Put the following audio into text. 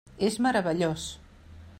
És meravellós.